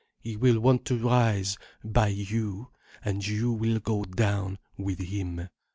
He will want to rise, by you, and you will go down, with him.